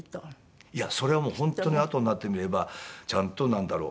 いやそれはもう本当にあとになってみればちゃんとなんだろう？